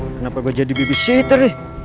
kenapa gue jadi babysitter nih